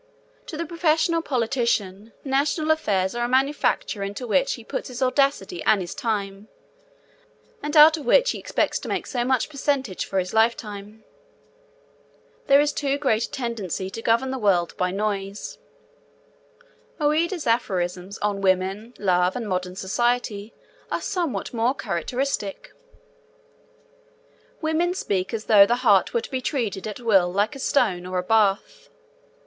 To the professional politician national affairs are a manufacture into which he puts his audacity and his time, and out of which he expects to make so much percentage for his lifetime. There is too great a tendency to govern the world by noise. Ouida's aphorisms on women, love, and modern society are somewhat more characteristic: Women speak as though the heart were to be treated at will like a stone, or a bath.